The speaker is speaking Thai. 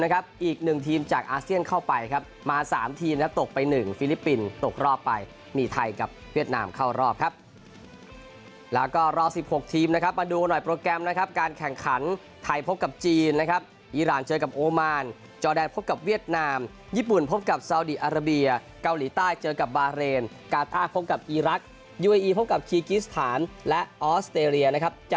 ครับแล้วก็รอ๑๖ทีมนะครับมาดูหน่อยโปรแกรมนะครับการแข่งขันไทยพบกับจีนนะครับอีรานเจอกับโอมานโจแดนพบกับเวียดนามญี่ปุ่นพบกับซาวดิอะราเบีย